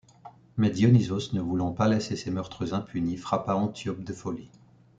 Mais Dionysos, ne voulant pas laisser ces meurtres impunis, frappa Antiope de folie.